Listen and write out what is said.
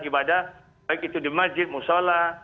ibadah baik itu di masjid musola